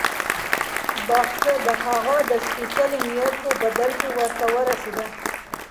باغچه د هغه د سپېڅلي نیت په بدل کې ورته ورسېده.